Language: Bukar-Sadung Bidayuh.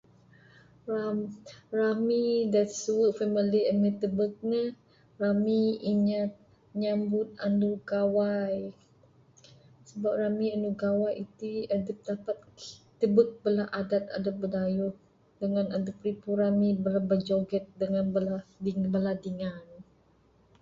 Ram rami da suwe family ami tubek ne rami inya inya nyambut anu gawai sebab rami anu gawai iti ne adep dapat tubek bala adat adat bidayuh dangan adep ripu rami dangan bal bjoget dangan bala dingan.